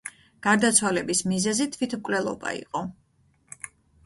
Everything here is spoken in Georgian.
გარდაცვალების მიზეზი თვითმკვლელობა იყო.